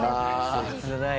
切ない。